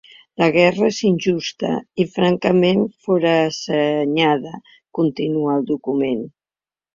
La guerra és injusta i francament forassenyada, continua el document.